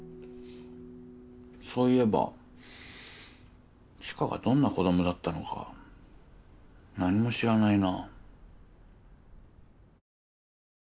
そういえば知花がどんな子供だったのか何も知らないな。